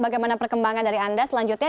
bagaimana perkembangan dari anda selanjutnya